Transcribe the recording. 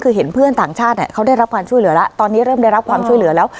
คือเห็นเพื่อนต่างชาติเนี่ยเขาได้รับการช่วยเหลือแล้วตอนนี้เริ่มได้รับความช่วยเหลือแล้ว